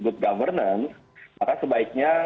good governance maka sebaiknya